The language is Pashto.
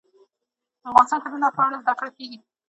افغانستان کې د نفت په اړه زده کړه کېږي.